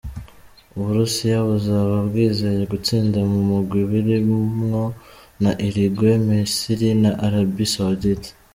Uburusiya buzoba bwizeye gutsinda mu mugwi burimwo na Uruguay, Misri na Arabie Saudite.